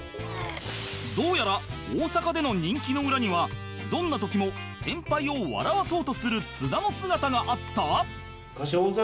どうやら大阪での人気の裏にはどんな時も先輩を笑わそうとする津田の姿があった！？